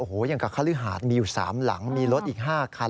โอ้โหอย่างกับคฤหาดมีอยู่๓หลังมีรถอีก๕คัน